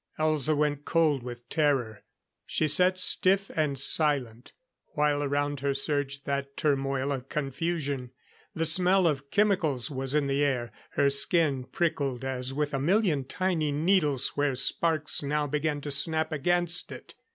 Elza went cold with terror. She sat stiff and silent, while around her surged that turmoil of confusion. The smell of chemicals was in the air; her skin prickled as with a million tiny needles where sparks now began to snap against it.